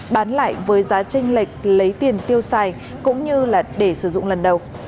bán lại với giá tranh lệch lấy tiền tiêu xài cũng như để sử dụng lần đầu